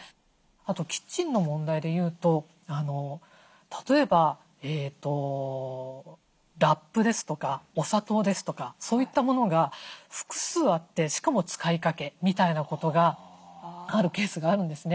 あとキッチンの問題でいうと例えばラップですとかお砂糖ですとかそういったものが複数あってしかも使いかけみたいなことがあるケースがあるんですね。